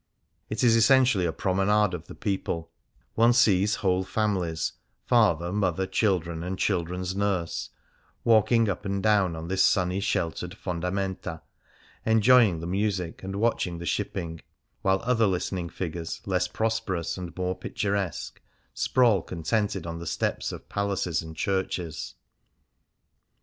It is essen tially a promenade of the people : one sees 1 20 Fasts and Festivals whole families — father, mother, children, and children's nurse — walking up and down on this sunny, sheltered fondamenta^ enjoying the music and watching the shipping ; while other listening figures, less prosperous and more picturesque, sprawl contented on the steps of palaces and churches.